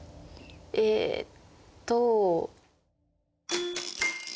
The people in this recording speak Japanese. ええっと。